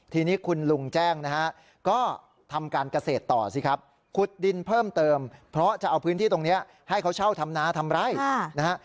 ทีนี้คุณลุงแจ้งนะฮะก็ทำการเกษตรต่อสิครับขุดดินเพิ่มเติมเพราะจะเอาพื้นที่ตรงนี้ให้เขาเช่าทำนาทำไร่นะฮะ